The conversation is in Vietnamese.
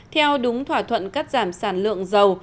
theo đúng thỏa thuận cắt giảm sản lượng dầu